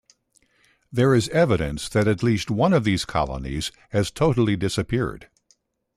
There is evidence that at least one of these colonies has totally disappeared.